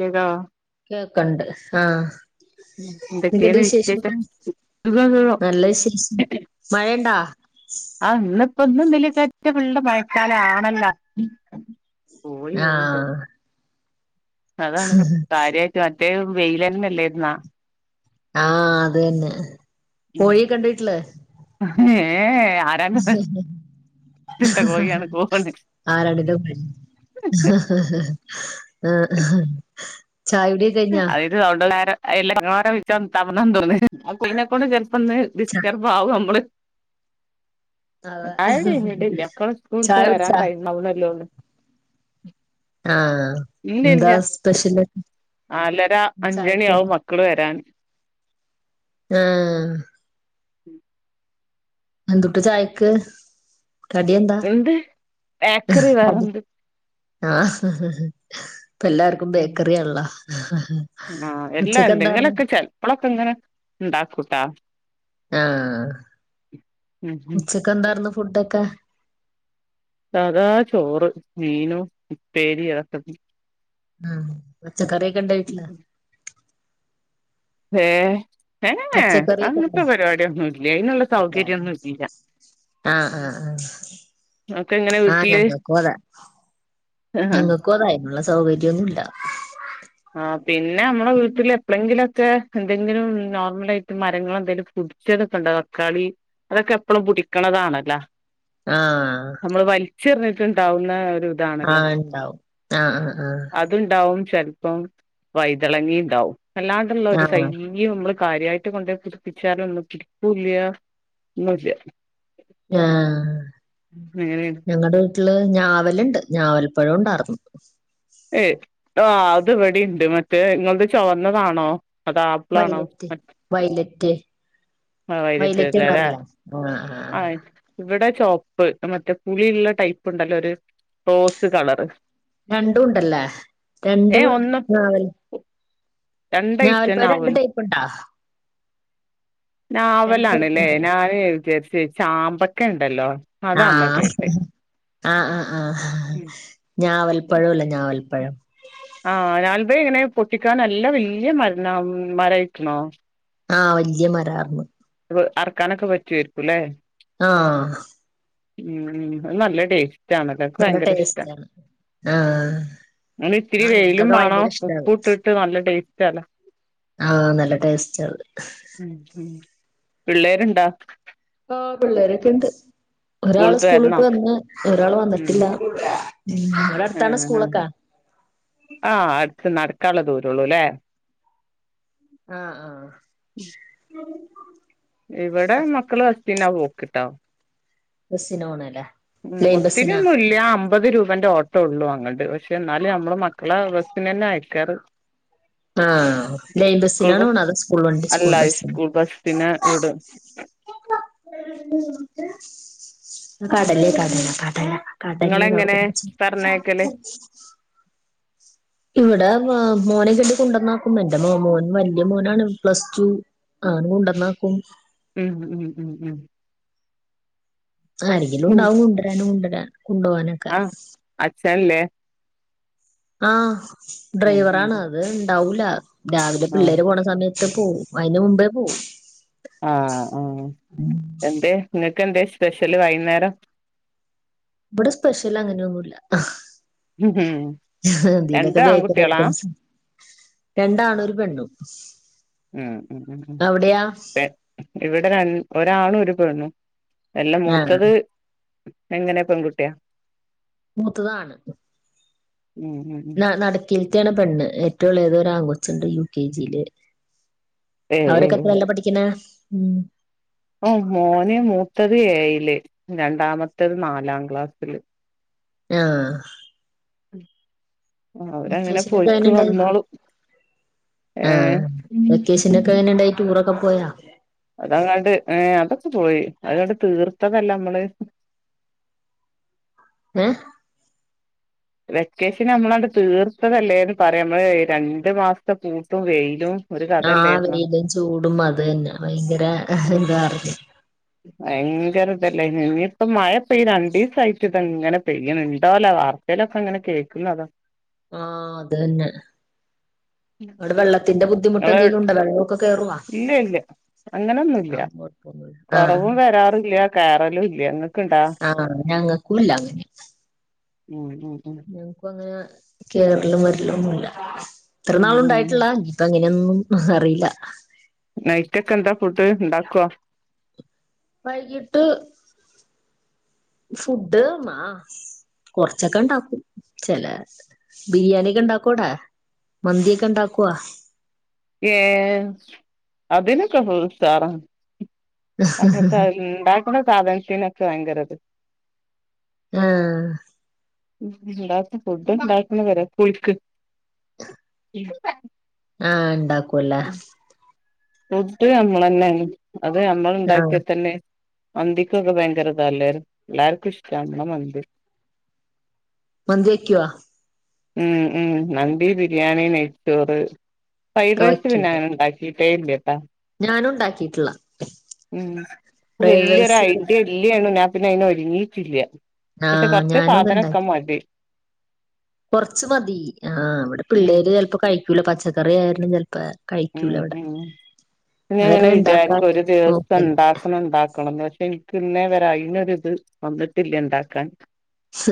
കേക്കാവോ കേക്കണ്ട് ആ ന്തക്കെയൊണ്ട് എന്തൊക്കെയാണ് വിശേഷം വിശേഷങ്ങളൊക്കെ സുഖം സുഖം നല്ല വിശേഷം മഴ ഇണ്ടാ? ആ ഇന്നിപ്പ ന്നും ന്നലേ കാറ്റ് ഫുള്ള് മഴക്കാലാണല്ല. പോയി പോവണ്ട്. ആഹ് അതാണ് കാര്യമായിട്ട് മറ്റേ വെയിലന്നെല്ലാരുന്നോ. ആ അത് തന്നെ പൊഴേ കണ്ടീട്ടില്ലേ? ആരാണത് ഹ ഹ ആരാണ്ടിൻന്റുപ്പെ. ഹ് ഹ് ആ [unintelligible] അന്ന് ഡിസ്റ്റർബാവുമ്മള്. അതെ ആടയിഞ്ഞിട്ടല്ല മക്കള സ്കൂൾട്ട് ചായ വരാൻ കുടിച്ചാ ടൈം ആവുന്നേള്ളൂ. ആ ഇല്ല ഇല്ല ന്താ സ്പെഷ്യല്? നാലര അഞ്ചണി ചായക്കടി ആവും മക്കള് വരാന്. ആ ഉം അന്തുട്ടാ ചായക്ക്? കടിയെന്താ എന്ത് ബേക്കറി കടി വേറെന്ത് ആഹ ഹ് ഹ് ഹ് ഇപ്പ ല്ലാർക്കും ഉം ബേക്കറിയാൺള്ള ആഹ് എല്ലാ ണ്ട് ങ്ങനൊക്കെ ചെലപ്പോളൊക്കെ ഇങ്ങനെ ണ്ടാക്കൂട്ടാ. ആഹ ഉം ഉം ഉച്ചക്ക് എന്താർന്നു ഫുഡൊക്കെ.? അതാ ചോറ് മീനും ഉപ്പേരി [unintelligible] ആ പച്ചക്കറിക്കെ ഇണ്ട വീട്ടില്.? വേ.. ഏ എ പച്ചക്കറിയൊക്കെ അങ്ങത്തെ ഉണ്ടോ പരിപാടിയൊന്നുല്ല്യെ അയ്നുള്ള സൗകര്യന്നും ഇല്ല. ആഹ് ആഹ് ഒക്കെ ഇങ്ങനെ ആഹ ആഹ വീട്ടില് ഞങ്ങക്കുതെ. ആഹ് ഞങ്ങൾക്കു അതായിനുള്ള സൗകര്യൊന്നുല്ല. ആഹ് പിന്നെ മ്മളെ വീട്ടില് എപ്പളെങ്കിലുക്കെ എന്തെങ്കിലും നോർമലയിട്ട് മരങ്ങൾ എന്തെങ്കിലും പടിച്ചതൊക്കെണ്ട.? അക്കാളി അതൊക്കെ എപ്പളും പുടിക്കണതാണല്ല. ആഹ്. ചിറിഞ്ഞിട്ടാണ്ടാവുല്ലെ രു ഇതാണല്ലോ ആഹ് ഉണ്ടാവും ആഹ് ആഹ് അത്ണ്ടാവും. ചെൽപ്പം വൈതളങ്ങി ണ്ടാവും എല്ലാണ്ട്ള്ള ഒരു ആഹ് ആഹ് തൈയ്യുമ്മള് കാര്യയിട്ട് കൊണ്ടെ പിടിപ്പിച്ചാലൊന്നും കിട്ടൂല്ല്യ ന്നുല്ല്യ. ആ.... അങ്ങനെയാണ് ഞങ്ങടെ [unintelligible] ഞാവല്ണ്ട് ഞാവൽപ്പഴോ ഒണ്ടാർന്ന്. ഏയ് ആ അത് ഇവടിണ്ട് മറ്റേ ഇങ്ങൾത് ചോവന്നതാണോ.? അത് ആപ്പ്ളാണോ വൈലറ്റ് മ വൈലറ്റ് ആഹ [unintelligible] വൈലറ്റ് കളറില്ലേ ആഹ് ആഹ് ആ ഇവിടെ ചോപ്പ് മറ്റേ പുളിള്ള ടൈപ്പ് ണ്ടല്ലോ ഒരു റോസ് കളറ്. രണ്ടും ണ്ടല്ലേ ഏ രണ്ടും ഒന്ന് നാവൽ. ഞാവൽ രണ്ടൈറ്റന്നെ പയ ണ്ട് ആവോലോ ടൈപ്പ് ണ്ട...? നാവലാണ്ലെ ഉണ്ടല്ലേ ഞൻ വിചാരിച് ചാമ്പക്കെ ണ്ടല്ലോ ആ ആ ആ ആ ഞാവൽ പ്പഴോല്ല ഞാവൽ പഴം അൽബ ഇങ്ങനെ പൊട്ടിക്കാനല്ല വല്യ മരണം മരായിക്ണോ.? ആ വല്ല്യ മരാർന്ന്. അറക്കാനോക്കെ വച്ചേർകുലെ.? ആ... ഉം അത് നല്ല ടേസ്റ്റ് ആണല്ലോ. ക് നല്ല വയങ്കര ഇഷ്ട. ടേസ്റ്റാണ് ആഹ് [unintelligible] ഇത്തിരി ആഹ് വെയിലും ഞങ്ങക്കൊക്കെ മാണം ഭയങ്കര ഉപ്പു ട്ട് ട്ട് നല്ല ടേസ്റ്റ് ല്ല. ആ നല്ല ടെസ്റ്റത്. ഹ് പിള്ളേര്ണ്ടാ.? ഓ പിള്ളേരൊക്കെ ണ്ട്. ഒരാള് സ്കൂളിട്ട് സ്കൂള്ട്ട് വരണോ വന്ന് ഒരാള് ഉം വന്നിട്ടില്ല [unintelligible] ഇവടെ അടുത്താണോ സ്കൂളൊക്കാ.? ആ അടുത് നടക്കള്ള ദൂരോള്ളു ലെ..? ആ ആ ഇവിടെ മക്കള് [unintelligible] പോക്ക്‌ട്ടോ. ബസ്സിന ഓണെലെ? ഉം ഒത്തിരിന്നും ഇല്ല്യ അമ്പത് രൂപ [unintelligible] ഓട്ടോ ഉള്ളൂ അങ്ങട് പശെ ന്നാലും ഞമ്മള് മക്കളെ ബസിന് ന്നെ അയക്കാറ്. ആ ലൈൻ സ്കൂൾ ബസ്സിനണോ ണത് സ്കൂൾ വണ്ടി സ്കൂൾ ബസ്സ് പിന്നെ വീടോ.? [unintelligible] ന്ന് ഉം കടലേക്കാടല കടല കടലി നിങ്ങളെങ്ങനെ പറഞ്ഞയക്കല് [unintelligible] ഇവിടെ മോ മോനെ കണ്ടി കുണ്ടന്നാക്കുമ്പ എന്റെ മോ മോൻ വല്ല്യ മോനാണ് പ്ലസ് ടു. ആര് കുണ്ടന്നാക്കും.? ഉം ഉം ഉം ഉം ആരെങ്കിലും ഉം ഉണ്ടാവും കൊണ്ടരാനും കൊണ്ടുവരാൻ കൊണ്ടുപോകാനൊക്കെ തനേ ആ ഉം ഡ്രൈവറ ഉം ആണ് അത് ഉണ്ടാവൂല രാവിലെ ആഹ് പിള്ളേര് പോണ സമയത്ത് തു പോവും അയിന് മുമ്പേ പോവും ആ ആ എന്ത നിങ്ങക്ക് എന്ത സ്പെഷ്യല് വൈകുന്നേരം ഇവിടെ സ്പെഷ്യൽ അങ്ങനെയൊന്നുമില്ല ഉം എന്തലൊക്കെ രണ്ടും ബേക്കറി ആൺകുട്ടികളാ ഐറ്റംസ് രണ്ട ആണും ഒരു പെണ്ണും ഉം ഉം ഉം ഉം അവിടെയാ ഇവിടെ ഒരാ ആണും ഒരു പെണ്ണും എല്ല ആ മൂത്തത് എങ്ങനെ പെൺകുട്ടിയാ മൂത്തത ആണ് ഉം ഉം ഉം നടിക്കിലതോണ് പെണ്ണ് ഏറ്റവും ഇളതെ ഒരു ആണ്ണ് കൊച്ചുണ്ട യു കെ ജിയില് ഏഹ് അവരൊക്കെ ഏഹ് എത്രല്ല പഠിക്കണ ഉം ഓ മോന് മൂത്തത് ഏഴില് രണ്ടാമത്തത് നാലാം ക്ലാസ്സില് ആ അവരങ്ങനെ വെക്കേഷനൊക്കെ പോയിക്ക് എങ്ങനെ ഉണ്ടായി വന്നോളും ഏ ആ പോയ അതാങ്ങണ്ട് ഏ അതൊക്കെ പോയി അത കണ്ട് തീർ ഇത്തതല്ല നമ്മള് എ വെക്കേഷൻ നമ്മളണ്ട് തീർത്തതല്ലേന്ന് പറയാം നമ്മള് രണ്ടു മാസത്തെ പൂട്ടും വെയിലും. ഒരു ആ കഥയല്ലായിരുന്നോ വെയിലും ചൂടും അത് തന്നെ ഭയങ്കര ആ ഉം എന്താ പറയല്ല ഭയങ്കര ഇതല്ലേ ഇനിയിപ്പോ മഴ പെയ്യണ്ട രണ്ടു ദിവസയിട്ട് ഇതങ്ങനെ പെയ്യൻ നണ്ടോല വാർ എന്തലൊക്കെ അങ്ങനെ കേൾക്കുന്ന അത് ആ അത് തന്നെ അവിടെ വെള്ളത്തിന്റെ ബുദ്ധിമുട്ട് ഇങ്ങള് എന്തെങ്കിലും ഉണ്ടോ വെള്ളമൊക്കെ കേറ ഇല്ല ഇല്ല അങ്ങനൊന്നുമില്ല അതൊന്നും കുഴപ്പൊന്നുല്ല കൊറവും ആഹ് വരാറില്ല കേറലും ഇല്ല ഇങ്ങക്ക ഇണ്ടാ ഞങ്ങക്കുല്ല അങ്ങനെ ഉം ഉം ഉം ഞങ്ങക്കും അങ്ങനെ കേറാലും വരില്ലൊന്നുമില്ല ഇത്ര ഉം നാളും ഉണ്ടായിട്ടില്ല ഉം ഇ ഇപ്പ എങ്ങന എങ്ങന്നെനും അറിയില്ല നൈറ്റൊക്കെ എന്താ ഫുഡ് [unintelligible] വൈകിട്ട് ഫുഡ് മാസ് കൊറച്ചൊക്കെ ഇണ്ടാക്കും ചെല ബിരിയാണി ഒക്കെ ഇണ്ടാക്കു അവിടെ മന്തിയൊക്കെ ഇണ്ടാക്കുവാ ഏ അതിനൊക്കെ നമ്മൾ ഉസാറാ അതക്ക ഇണ്ടാക്കുന്ന സാധനത്തിനെക്ക് ഭയങ്കരത് ആഹ് ഉണ്ടാക്ക ഫുഡ് ഉണ്ടാക്കുന്ന വരാ ആഹ് ഉണ്ടാക്കൂല്ലേ [inaudible] നമ്മൾ തന്നെ അത് നമ്മൾ ആഹ് ഉണ്ടാക്കിയ തന്നെ മന്തിക്കൊക്കെ ഭയങ്കരതല്ലേ എല്ലാർക്കു ഇഷ്ടണ് മന്തി മന്തി വേക്കുവോ ഉം ഉം മന്തി ബിരിയാണി നെയ്ച്ചോറ് ഫ്രൈഡ് ഒക്കെ റൈസ് വെക്കും പിന്നെ അങ്ങനെ ഉണ്ടാക്കി ഞാനും ഉണ്ടാക്കിയിട്ടില്ല. ഉം ഫ്രൈഡ് വലിയിരു റൈസ് ഐഡിയ ഇല്ലയാണ് ഞ പിന്നെ അതിന ഒരുങ്ങിട്ടില്ല പക്ഷെ ആഹ് കൊറച്ച് സാധനഓക്ക മതി കൊറച്ച മതി ആ് ഇവിടെ ഉം പിള്ളേര് ചിലപ്പോ കഴിക്കൂല പച്ചക്കറ ആായിരുന്നു ചെപ്പോ ഉ ഉ പിന്ന അത് ഇങ്ങനെ കാരണം ഇണ്ടാക്കാൻ വിചാരിക്കും ഒരു ദിവസം നോക്കല്. ഉണ്ടാക്കണംണ്ടാക്ക ക്കണന്ന പക്ഷെ എനിക്ക് ഇന്നെ വരെ അതിനൊ ഇത് വന്നിട്ടില്ല ഉണ്ടാക്കാൻ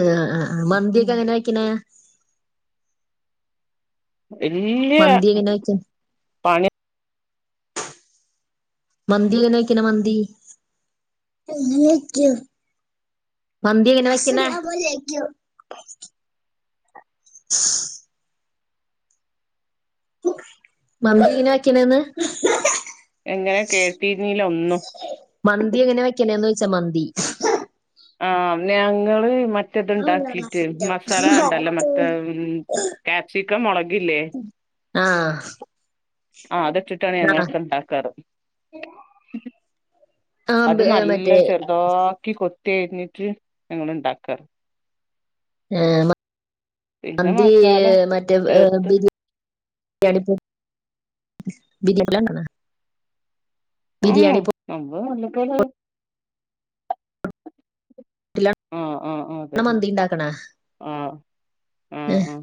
ആ മന്തിക്കെ എങ്ങനെ വക്കണ വല്യ വെക്ക പണി മന്തിയിലന്നെ വെക്കണ മന്തി മന്തി എങ്ങനെ [unintelligible] മമ്മി ഇനെ ആക്കണന്ന് ഇങ്ങനെ കേട്ടിരുന്നില്ല ഒന്നും മന്തി എങ്ങനെ വെക്കണന്ന് ചോച്ചാ മന്തി ആ് ഞങ്ങള് മറ്റ മറ്റത്ണ്ടാക്കിട്ട് മസാല ഉണ്ടല്ല മറ്റ കാക്പ്സിക്കം മുളകില്ലേ ആഹ ആ അതൊച്ചിട്ടാണ് ഞങ്ങൊക്കെ ഉണ്ടാക്കാറ് അത് ആഹ് നല്ല മറ്റേ ചെറുതോാക്കി കൊത്തി കഴഞ്ഞിട്ട് ഞങ്ങ ഇണ്ടാക്കാറ് ഏ പിന്നെ നതി മസാല മറ്റേ ചേർത്ത് ബിയാരിയാണിപ്പോ വിജയക്കലാണ് ആഹ നമ്മ വണ്ടിപ്പത് പൊടിയിലാണ് ആഹ ആഹ് ആഹതന്നെ മന്തി ഉണ്ടാക്കണ ആഹ ആഹ ആഹ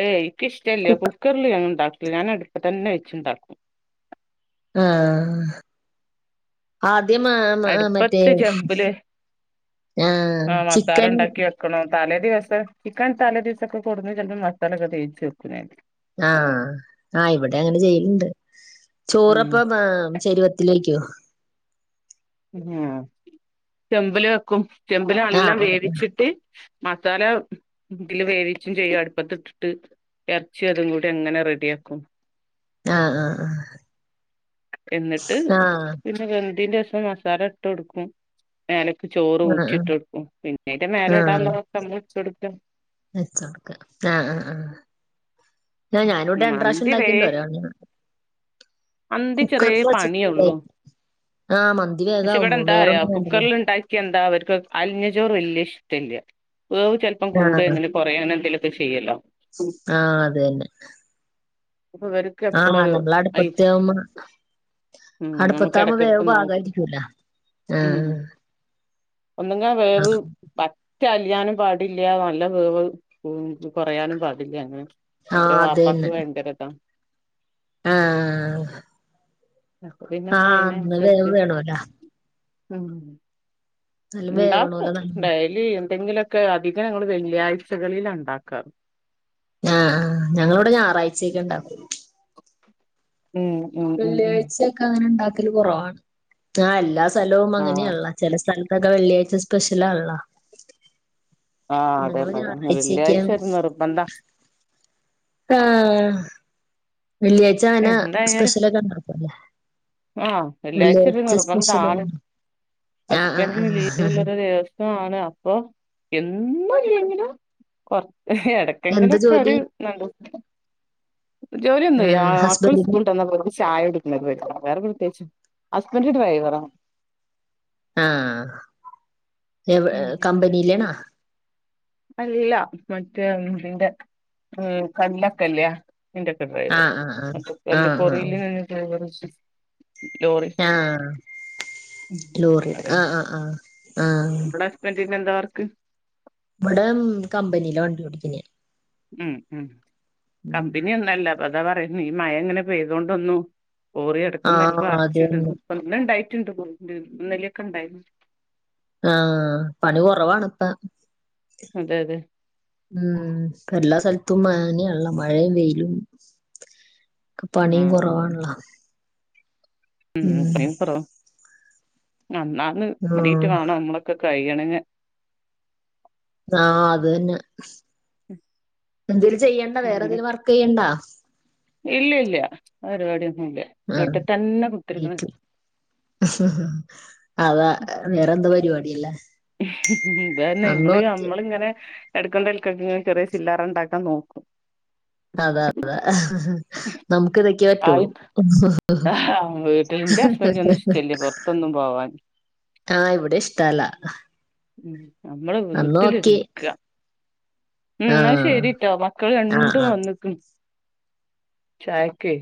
ഏയ് എിക്ക ഇഷ്ടല്ല കുക്കർ കുക്കറിില് ഞ ഉണ്ടാക്കല ഞാൻ അടുപ്പ തന്നെ വെച്ചുണ്ടാക്കും ആഹ ആ ആദ്യ ആ ആ മറ്റേ അടുപ്പത്ത് ചെമ്പില് ആഹ ചിക്കൻ താലേ ദിവസം ചിക്കൻ താലേ ദിവസൊക്കെ കൊടുുന്നു ചിലപ്പോ മസാല ഒക്കെ തേച്ച് വെക്കുന്ന ആഹ് ആഹ് ഇവിടെ അങ്ങനെ ചെയ്ലുണ്ട് ചോറപ്പ ഉം ചെരുവത്തിലേക്കോ ഉ ചെമ്പല വെക്കും ചെമ്പലും ആ എല്ലാം ആ വേവിച്ചിട്ട് മസാല എതില് വേവിച്ചും ചെയ്യും അടുപ്പത്തി ഇട്ടിട്ട് ഇറച്ചി അതും കൂടി അങ്ങനെ റെഡിയ ആാക്കും ആ ആ എന്നിട്ട് ആ ആ പിന്നെ ഗന്തീന്റെ ദിവസം മാസ ല ഇട്ട് എടുക്കും വല ചോറ് ആ ഊിട്ട കൊടുക്കും പിന്നീന്റെ മേല ഇടാന ഉുള്ളതൊക്കെ നമ്മ ഇ കൊടുക്ക നച്ചക്ക ആഹ ആ ആഹ ഞാനിവിടെ ഉം. എണ്ട്രാവശ്യം മന്തി വേ ഉണ്ടാക്കിണ്ട് ഒര മന്തി ചെറിയ കുൂക്കർന്ന ചട്ട പണിയൊള്ളൂ പക്ഷെ ഇവിടെ എന്താ പററയാ വേണ്ടല്ലോ കുക്കറൽ ഉണ്ടാക്കി എന്താ അവർക്ക് അലിഞ്ഞ ചോറും ഇല്ലേ പല്ല വവ് ചിലപ്പം കൂടനും കുറങ്ങനെ എന്തേലുമൊക്കെ ചെയ്യല്ലോ ആഹ അത് തന്നെ ഇപ്പൊ വെരക്ക് ആ എപ്പോരു നമ്മൾ അഐ അടുപ്പത്താവുമ്പോ ഉം നമുക്ക് അടുപ്പത്താവുമ്പോ വേവ് ഇടക്കിടക്ക് നോക്ക് പാകായിരിക്കൂല ഉം ആ ഒന്നങ്ക വേവ് ആഹ് ചലിയാനും പാടില്ല നല്ല വേവ് ഉ കുറയാനും പാടില്ല അങ്ങനെ ആഹ് ഒരു വാപ്പാക്ക് വേണ്ടരതാ ആഹ അപ്പൊ പിന്നെ നമ്മൾ ആഹ വ അയിനനുസരിച്ച് വേണല്ല ഉം ഉണ്ടാക്കും വേവണോല്ലോ നല്ല ഡലി എന്തെങ്കിലൊക്കെ അധികം ഞങ്ങള്ൾ വെള്ളിയാഴ്ചകളിൽ ഉണ്ടാക്കാറ് ആഹ് ആ് ഞങ്ങള ഇവിടെ ഞായറാഴ്ചയക്ക ഉണ്ടാവും ഉം ഉം ഉം ഉം വെള്ളിയാഴ്ചയൊക്കെ അങ്ങനെണ്ടാക്ക ക്കല് കുറവാണ് ആ എല്ലാ സലവും ആഹ് അങ്ങനെയാളള ചെല സ്ഥല ത്തൊക്കെ വെള്ളിയാഴ്ച സ്പെഷ്യലാള്ള ആഹ് അതെ അതെ വെള്ളിയാഴ്ചരുന്നുനിറിബന്താ ആ വെള്ളിയാഴ്ച അങ്ങനെ സ്പെഷ്യലൊക്കെ ഇണ്ടക്കല്ലേ ആ വെള്ളിയാഴ്ച ഒരു നിർബന്ധാണ് വേണം ആഹ് ഹസ്ബൻറിന് ആഹ് ലീവുള്ള ആഹ് ദിവ ആണ് അപ്പൊ എന്നുലെകിലും കൊറേ എന്താ എടക്കെങ്കിലൊക്കെ ജോലി ഒരു നന്ദു ജോലിയൊന്നുല്ല ആഹ് മക്കളൾ ഹസ്ബന്റിന് സ്കൂളട്ടന്നാ ചായ ഉടിക്ക് [unintelligible] വേറെ പ്രത്യേകിച്ച് ഹസ്ബൻഡ് ഡ്രൈവറാ ആഎ ഉം കമ്പനിയിലേണാ അല്ല മറ്റേ ഇംതിന്റെ ഉം കല്ലൊക്കെല്യേ എന്റെക്കെ ഡ്രൈവർ ആഹ് ആഹ് ആഹ് [unintelligible] ആഹ് കോറീല് [unintelligible] ഡ്രൈവറ് ലോറി ആ ഉം ലൂറി അതെന്നെ ആഹ് ആഹ് ആആ ഇഞ്ഞെന്താ വർക്ക് ഇവിടെ കമ്പനിയില വണ്ടി ഓടിക്കൽ ഉം ഉം കമ്പനി ഒന്നുംല്ല അതാ പറയ്ന്ന് ഈ മ യ ഇങ്ങനെ പെയ്തോണ്ട് ഒന്നും കോറി എടക്കും ആഹ് തലക്കും അടച്ചിട്ണ് അതന്നെ ഇപ്പൊ ഇന്ന് ഇണ്ടായിട്ട്ണ്ട് പോയിണ്ട് ഇന്നും ഇന്നലെക്കെ ഇണ്ടായ്ന്ന് ആ പണി കുറവാണ് ഇപ്പ അതെ അതെ ഉം എല്ലാ സല ത്തും അയാനെയാണല്ലോ മഴയും വെയിലും പണിയും ആഹ് അതെ കുറവാണല്ലോ ഉം [unintelligible] അന്നാന്ന് കിട്ടീട്ട് ആഹ് വാണം നമ്മളൊക്കെ കയ്യണെങ്ങെ ആഹ് അത് തന്നെ എന്തേലും ചെയ്യണ്ട അങ്ങനെ വേറെന്തേലും വർക്ക് ചെയ്യണ്ടാ ഇല്ല ഇല്ല പരിപാടിയൊന്നും ഇല്ല വീട്ട് തന്നെ കുത്തിരിക്ക്ണ് അത വേറെന്ത് പരിവാ ഇതന്നെ നമ്മള് ഓക്കെ നമ്മളിങ്ങനെ എടുക്കും തലക്കും ക്കൊക്കെെ ചെറിയ ചില്ലാറുണ്ടാക്കാൻ നോക്കും അതെ അതെ നമുക്ക് ഇതക്കെ ആയി പറ്റുള്ളൂ ഇപ്പ ഇൻക്ക് ഒന്നും ഇഷ്ടല്ല്യ പൊറത്തൊന്നും പോവാൻ ആഹ് ഇവിടി ഇഷ്ടല്ല ഉം നമ്മള് അന്ന് വീട്ടില് ഓക്കെ നിക്കാ ഉ ന്നാ ആഹ് ശരിട്ടോ മക്കൾ ആഹ് രണ്ടും ആഹ് വന്നിക്കു ചായകെ